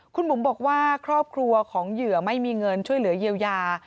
คุณบุ๋มบอกว่าครอบครัวของเหยื่อไม่มีเงินช่วยเหลือเยียวยา